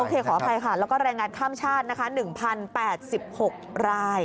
ขออภัยค่ะแล้วก็แรงงานข้ามชาตินะคะ๑๐๘๖ราย